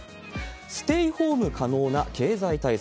ステイホーム可能な経済対策。